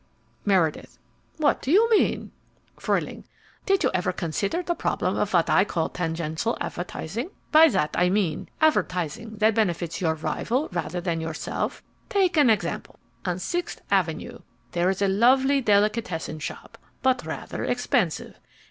MEREDITH What do you mean? FRUEHLING Did you ever consider the problem of what I call tangential advertising? By that I mean advertising that benefits your rival rather than yourself? Take an example. On Sixth Avenue there is a lovely delicatessen shop, but rather expensive.